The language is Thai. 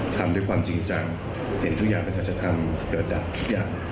ทำด้วยความจริงจังเห็นทุกอย่างประชาธรรมเกิดได้ทุกอย่าง